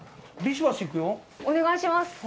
お願いします。